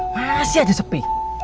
masih aja sepi